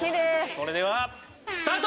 それではスタート！